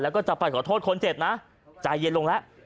แล้วก็จะไปขอโทษคนเจ็บนะใจเย็นลงแล้ว